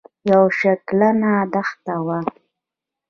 یوه شګلنه دښته وه.